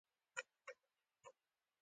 سر وښوراوه، ویې ویل: فرید مړ شو.